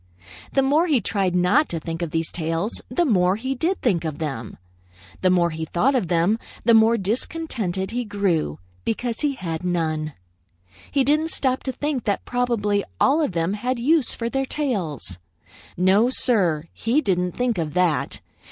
The more he tried not to think of these tails, the more he did think of them. The more he thought of them, the more discontented he grew because he had none. He didn't stop to think that probably all of them had use for their tails. No, Sir, he didn't think of that.